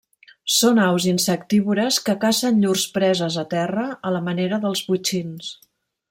Són aus insectívores que cacen llurs preses a terra, a la manera dels botxins.